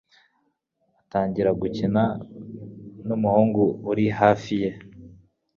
agatangira gukina n'umuhungu uri hafi ye